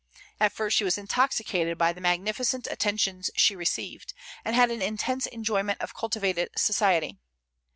At first she was intoxicated by the magnificent attentions she received, and had an intense enjoyment of cultivated society.